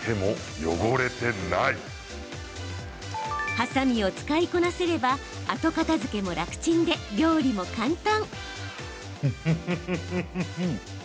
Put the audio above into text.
ハサミを使いこなせれば後片づけも楽ちんで、料理も簡単。